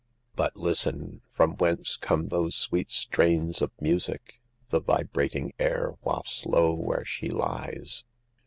But listen, from whence come those sweet strains of music The vibrating air wafts low where she lies?